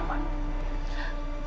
baik pak saya reksanakan